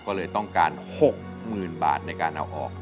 ก็เลยต้องการ๖๐๐๐บาทในการเอาออก